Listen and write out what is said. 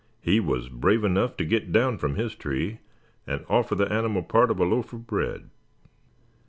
He was brave enough to get down from his tree, and offer the animal part of a loaf of bread."